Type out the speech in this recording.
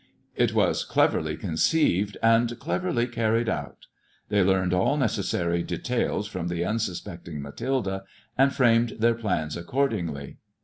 It was cleverly conceived and cleverly carried out. They learned all neceBsary details from the unsuspecting ]Ub.thilde, and framed their plans accordingly.